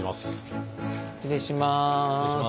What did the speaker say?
失礼します。